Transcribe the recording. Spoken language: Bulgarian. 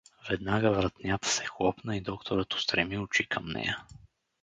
Веднага вратнята се хлопна и докторът устреми очи към нея.